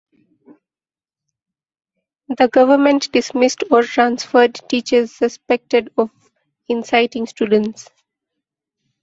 The government dismissed or transferred teachers suspected of inciting students.